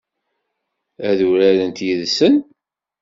Ad urarent yid-sen?